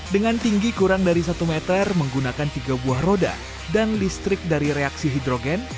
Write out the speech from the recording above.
dengan tinggi kurang dari satu meter menggunakan tiga buah roda dan listrik dari reaksi hidrogen